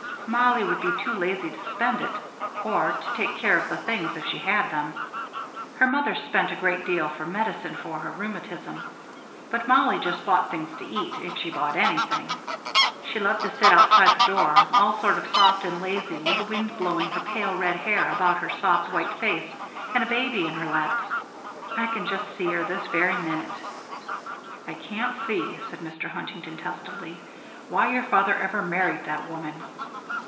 "Mollie would be too lazy to spend it; or to take care of the things if she had them. Her mother spent a great deal for medicine for her rheumatism; but Mollie just bought things to eat if she bought anything. She loved to sit outside the door, all sort of soft and lazy, with the wind blowing her pale red hair about her soft, white face; and a baby in her lap. I can just see her, this very minute." "I can't see," said Mr. Huntington, testily, "why your father ever married that woman."